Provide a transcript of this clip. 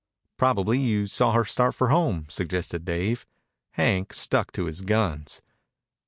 "Probably you saw her start for home," suggested Dave. Hank stuck to his guns.